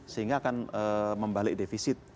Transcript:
sehingga akan membalik defisit